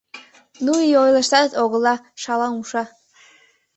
— Ну и ойлыштат огыла, шалаумша.